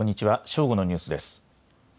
正午のニュースです。